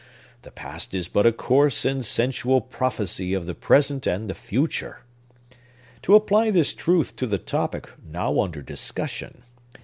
The past is but a coarse and sensual prophecy of the present and the future. To apply this truth to the topic now under discussion.